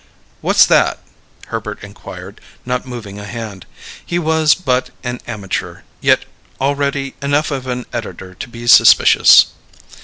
"What's that?" Herbert inquired, not moving a hand. He was but an amateur, yet already enough of an editor to be suspicious.